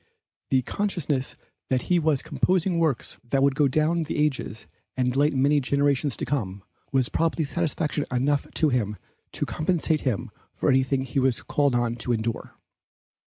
The consciousness that he was composing works that would go down the ages and delight many generations to come, was probably satisfaction enough to him to compensate him for anything he was called on to endure.